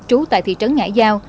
trú tại thị trấn ngãi giao